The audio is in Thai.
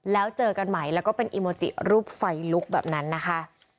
แล้วเจอกันใหม่แล้วก็เป็นอีโมจิรูปไฟลุกแบบนั้นนะคะ